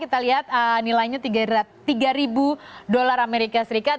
kita lihat nilainya tiga ribu dolar amerika serikat